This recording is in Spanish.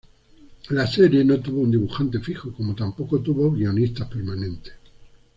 La serie no tuvo un dibujante fijo, como tampoco tuvo guionistas permanentes.